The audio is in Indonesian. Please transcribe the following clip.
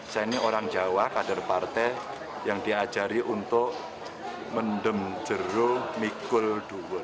saya ini orang jawa kader partai yang diajari untuk mendemjeruh mikul duur